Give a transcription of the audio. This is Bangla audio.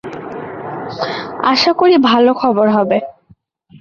আশাকরি ভাল খবর হবে।